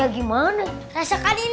jangan beri kebenaran